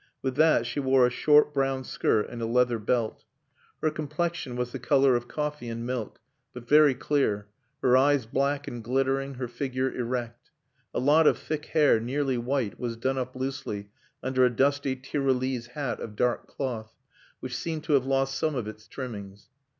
With that she wore a short brown skirt and a leather belt. Her complexion was the colour of coffee and milk, but very clear; her eyes black and glittering, her figure erect. A lot of thick hair, nearly white, was done up loosely under a dusty Tyrolese hat of dark cloth, which seemed to have lost some of its trimmings.